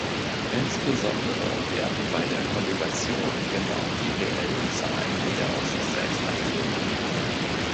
Insbesondere werden bei der Konjugation genau die reellen Zahlen wieder auf sich selbst abgebildet.